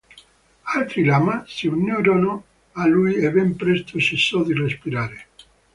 Altri lama si unirono a lui e ben presto cessò di respirare.